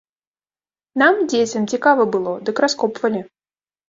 Нам, дзецям, цікава было, дык раскопвалі.